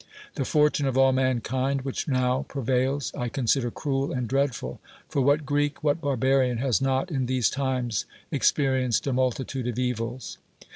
The fortune of all mankind, which now prevails, I consider cruel and dreadful: for what Greek, what barbarian, has not in these times experi enced a multitude of evils